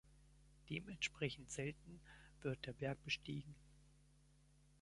Dementsprechend selten wird der Berg bestiegen.